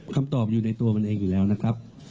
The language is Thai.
คำตอบอยู่ในตัวมันเองอยู่แล้วนะครับ